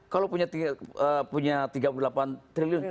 kalau punya tiga puluh delapan triliun